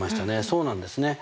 そうなんですね。